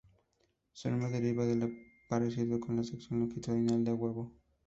Su nombre deriva de su parecido con la sección longitudinal de un huevo.